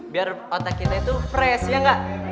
biar otak kita itu fresh ya nggak